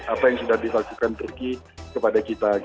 apa yang sudah dilakukan turki kepada kita